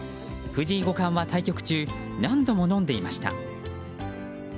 藤井五冠は対局中何度も飲んでいました。